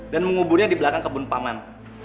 dan menguburnya di belakang kebun pak man